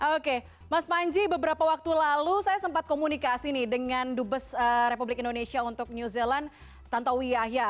oke mas panji beberapa waktu lalu saya sempat komunikasi nih dengan dubes republik indonesia untuk new zealand tantowi yahya